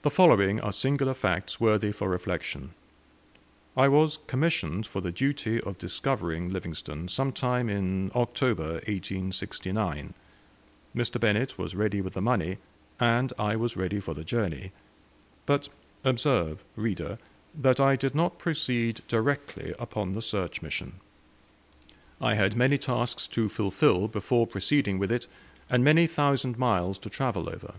The following are singular facts worthy for reflection. I was, commissioned for the duty of discovering Livingstone sometime in October, 1869. Mr. Bennett was ready with the money, and I was ready for the journey. But, observe, reader, that I did not proceed directly upon the search mission. I had many tasks to fulfil before proceeding with it, and many thousand miles to travel over.